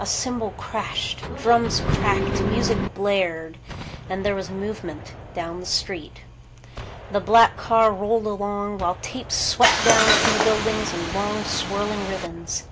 A cymbal crashed. Drums cracked. Music blared. And there was a movement down the street. The black car rolled along, while tape swept down from the buildings in long swirling ribbons.